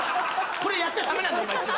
これやっちゃダメなんで今一番。